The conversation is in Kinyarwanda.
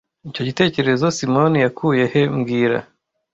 Icyo gitekerezo Simoni yakuye he mbwira